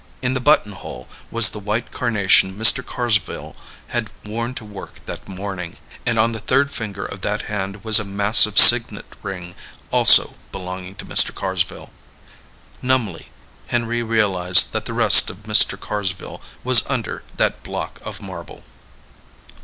In the buttonhole was the white carnation Mr. Carsville had worn to work that morning, and on the third finger of that hand was a massive signet ring, also belonging to Mr. Carsville. Numbly, Henry realized that the rest of Mr. Carsville was under that block of marble.